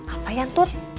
apa ya tut